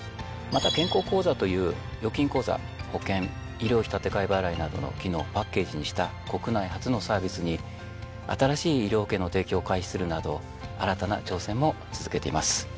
また「健康口座」という預金口座保険医療費立て替え払いなどの機能をパッケージにした国内初のサービスに新しい医療保険の提供を開始するなど新たな挑戦も続けています。